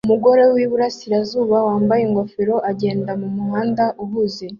Umugore wiburasirazuba wambaye ingofero agenda mumuhanda uhuze